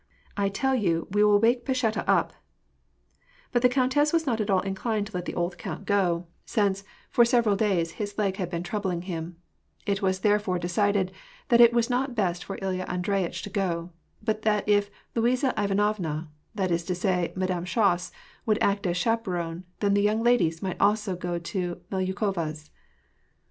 I tell you we will wake Pasheta* up !" But the countess was not at all inclined to let the old count *Diminatiye of Pelagaya. 292 y^ATt AND PEACE. go ; since, for several days, his leg bad been troubling him. It was therefore decided that it was not best for Ilja Andreyitch to go ; but that if Luiza Ivanovna, that is to say, Madame Schoss, would act as chaperone, then the young ladies might also go to Melyukova's.